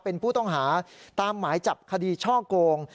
เป็นผู้ต้องหาตามหมายจับคดีช่อโกง